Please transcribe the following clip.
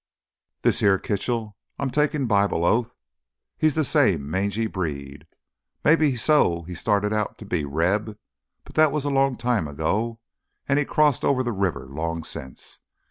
"This here Kitchell—I'm takin' Bible oath he's th' same mangy breed. Maybe so he started out to be Reb, but that was a long time ago an' he crossed over th' river long since.